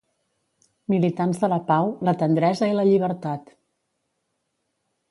Militants de la pau, la tendresa i la llibertat!